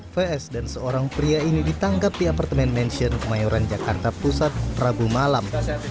vs dan seorang pria ini ditangkap di apartemen mention kemayoran jakarta pusat rabu malam